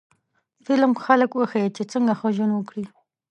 فلم خلک وښيي چې څنګه ښه ژوند وکړي